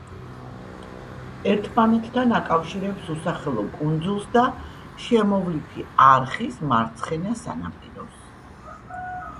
ერთმანეთთან აკავშირებს უსახელო კუნძულს და შემოვლითი არხის მარცხენა სანაპიროს.